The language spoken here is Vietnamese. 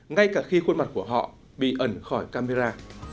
ngay cả khi khuôn mặt của họ bị ẩn khỏi camera